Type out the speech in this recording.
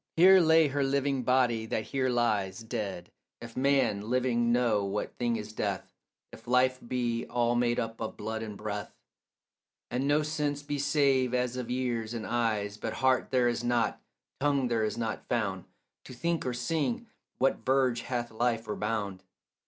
Here lay her living body that here lies Dead, if man living know what thing is death, If life be all made up of blood and breath, And no sense be save as of ears and eyes. But heart there is not, tongue there is not found, To think or sing what verge hath life or bound.